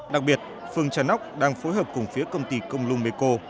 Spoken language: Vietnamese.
đặc biệt phường trà nóc đang phối hợp cùng phía công ty công lu mê cô